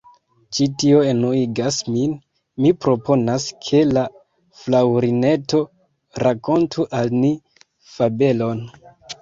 "Ĉi tio enuigas min! Mi proponas ke la Fraŭlineto rakontu al ni fabelon."